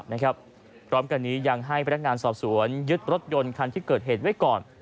พร้อมกันนี้ยังให้พนักงานสอบสวนยึดรถยนต์คันที่เกิดเหตุไว้ก่อน